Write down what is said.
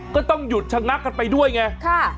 ก็ต้องหยุดชะงักกันไปด้วยไง